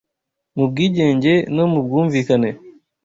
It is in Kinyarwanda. Mu bwigenge no mu bwumvikane